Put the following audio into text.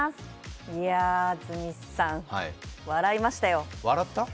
いやあ、安住さん笑いましたよ。